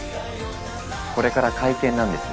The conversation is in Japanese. これから会見なんですよ。